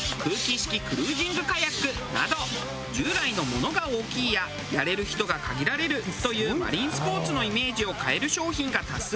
クルージングカヤックなど従来の「ものが大きい」や「やれる人が限られる」というマリンスポーツのイメージを変える商品が多数。